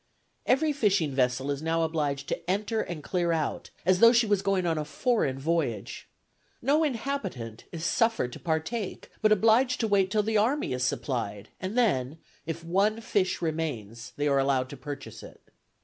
Every fishing vessel is now obliged to enter and clear out, as though she was going a foreign voyage. No inhabitant is suffered to partake, but obliged to wait till the army is supplied, and then, if one [fish] remains, they are allowed to purchase it.